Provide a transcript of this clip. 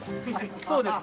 そうですね。